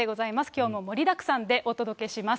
きょうも盛りだくさんでお届けします。